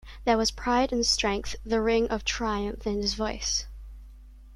There was pride and strength, the ring of triumph in his voice.